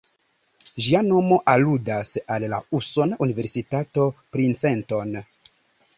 Ĝia nomo aludas al la usona Universitato Princeton.